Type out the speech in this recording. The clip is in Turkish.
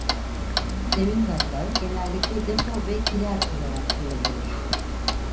Zemin katlar genellikle depo ve kiler olarak kullanılır.